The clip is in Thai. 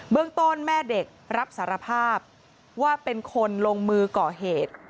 เรื่องต้นแม่เด็กรับสารภาพว่าเป็นคนลงมือก่อเหตุ